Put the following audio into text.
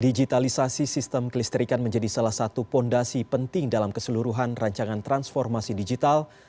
digitalisasi sistem kelistrikan menjadi salah satu fondasi penting dalam keseluruhan rancangan transformasi digital